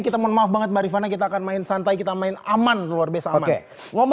kita mohon maaf banget mbak rifana kita akan main santai kita main aman luar biasa aman